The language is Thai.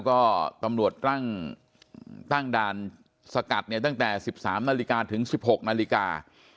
ก็ตำรวจตั้งด่านสกัดเนี่ยตั้งแต่๑๓นาฬิกาถึง๑๖นาฬิกา